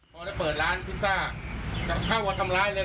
พอได้เปิดร้านพิซซ่าจะเข้ามาทำร้ายเลย